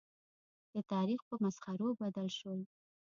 د تاریخ په مسخرو بدل شول.